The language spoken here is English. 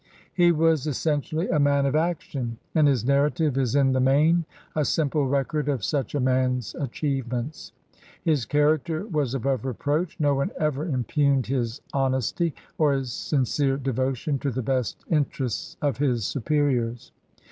He was essentially a man of action* and his narrative is in the main a simple record of such a man's achievements. His character was above reproach; no one ever impugned his honesty or his sincere devotion to the best interests of his superiors.